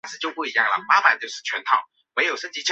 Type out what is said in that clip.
吉林大学法学院毕业。